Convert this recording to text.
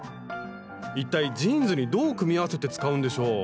一体ジーンズにどう組み合わせて使うんでしょう？